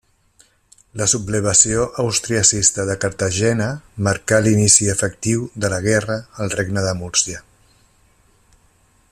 La sublevació austriacista de Cartagena marcà l'inici efectiu de la guerra al Regne de Múrcia.